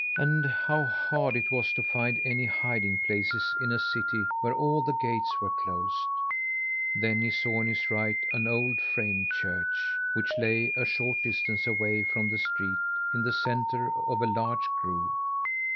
And how hard it was to find any hiding places in a city where all the gates were closed! Then he saw on his right an old frame church, which lay a short distance away from the street in the centre of a large grove.